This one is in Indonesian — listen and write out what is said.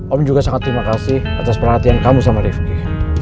om juga sangat terima kasih atas perhatian kamu sama rifki